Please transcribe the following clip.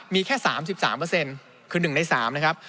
มีแค่๓๓คือ๑ใน๓นะครับ